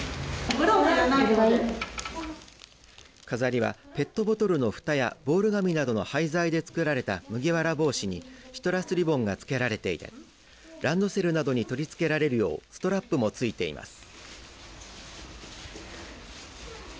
飾りはペットボトルのふたやボール紙などの廃材で作られた麦わら帽子にシトラスリボンが付けられていてランドセルなどに取り付けられるようストラップも付いています。